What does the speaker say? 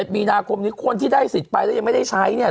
มีนาคมนี้คนที่ได้สิทธิ์ไปแล้วยังไม่ได้ใช้เนี่ย